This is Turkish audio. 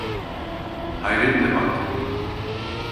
Hayretle baktım.